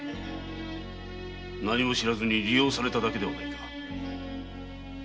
何も知らずに利用されただけではないか。